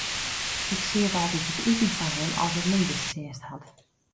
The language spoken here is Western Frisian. Ik sied altyd it iten foar him as er middeistsjinst hat.